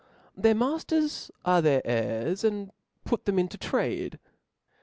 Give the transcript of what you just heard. Their maftcrs are their heirs, and put them into trade.